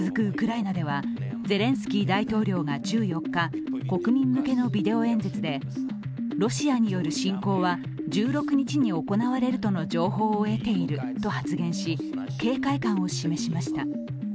ウクライナではゼレンスキー大統領が１４日国民向けのビデオ演説でロシアによる侵攻は１６日に行われるとの情報を得ていると発言し警戒感を示しました。